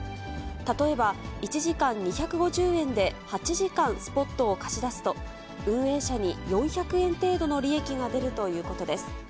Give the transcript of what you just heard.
例えば、１時間２５０円で８時間スポットを貸し出すと、運営者に４００円程度の利益が出るということです。